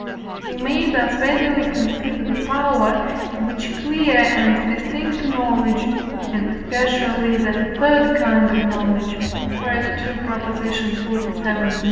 We may thus readily conceive the power which clear and distinct knowledge, and especially that third kind of knowledge (II. xlvii.